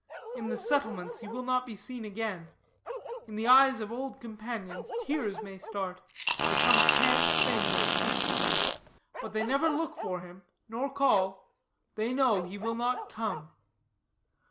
In the settlements he will not be seen again; in eyes of old companions tears may start at some chance thing that speaks of him; but they never look for him, nor call; they know he will not come.